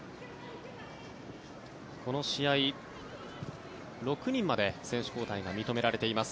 この試合、６人まで選手交代が認められています。